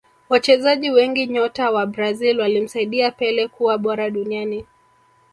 Wachezaji wengi nyota wa Brazil walimsaidia pele kuwa bora duniani